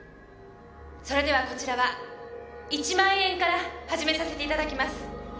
それではこちらは１万円から始めさせて頂きます。